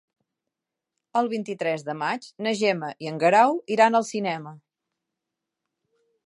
El vint-i-tres de maig na Gemma i en Guerau iran al cinema.